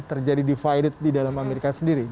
terjadi divided di dalam amerika sendiri